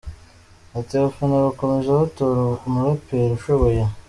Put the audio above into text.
Ati, “Abafana bakomeze batore umuraperi ushoboye.